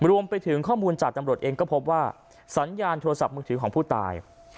รวมไปถึงข้อมูลจากตำรวจเองก็พบว่าสัญญาณโทรศัพท์มือถือของผู้ตาย